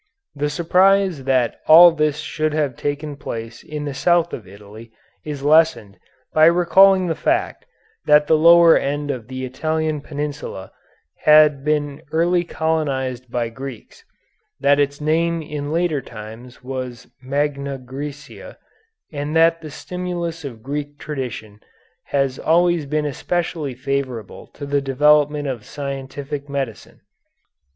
The surprise that all this should have taken place in the south of Italy is lessened by recalling the fact that the lower end of the Italian peninsula had been early colonized by Greeks, that its name in later times was Magna Græcia, and that the stimulus of Greek tradition has always been especially favorable to the development of scientific medicine.